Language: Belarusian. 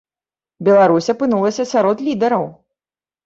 Беларусь апынулася сярод лідараў.